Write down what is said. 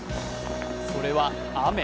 それは雨！